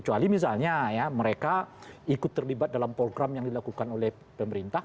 kecuali misalnya ya mereka ikut terlibat dalam program yang dilakukan oleh pemerintah